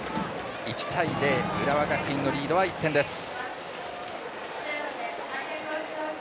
１対０浦和学院のリードは１点です。